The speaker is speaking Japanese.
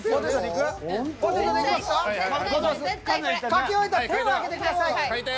書き終えたら手を挙げてください。